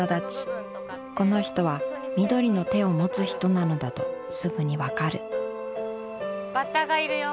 この人は緑の手を持つ人なのだとすぐにわかるバッタがいるよ